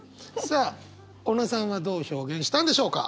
さあ小野さんはどう表現したんでしょうか？